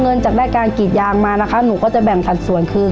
เงินจากได้การกรีดยางมานะคะหนูก็จะแบ่งสัดส่วนคืน